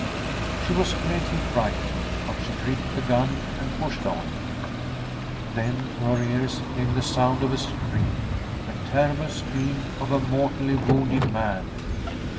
She was greatly frightened; but she gripped the gun and pushed on. Then to her ears came the sound of a scream, the terrible scream of a mortally wounded man.